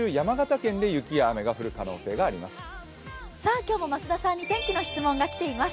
今日も増田さんに天気の質問が来ています。